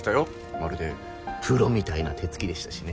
まるでプロみたいな手つきでしたしね。